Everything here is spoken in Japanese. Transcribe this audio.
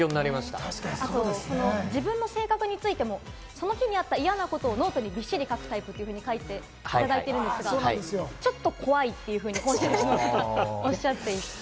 あと自分の性格についても、その日にあった嫌なことをノートにびっしり書くタイプと書いてあるんですが、ちょっと怖いというふうにおっしゃっていて。